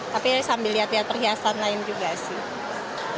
tapi sambil lihat lihat perhiasan lain juga sih